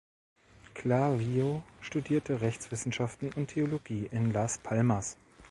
Clavijo studierte Rechtswissenschaften und Theologie in Las Palmas.